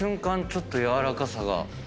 ちょっと柔らかさが。